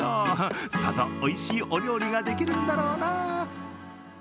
さぞ、おいしいお料理ができるんだろうな。